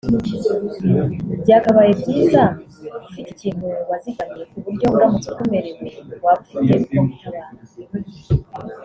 byakabaye byiza ufite ikintu wazigamye ku buryo uramutse ukomerewe waba ufite uko witabara